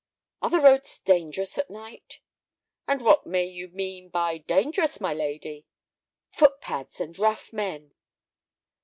"Are the roads dangerous at night?" "And what may you mean by dangerous, my lady?" "Footpads and rough men."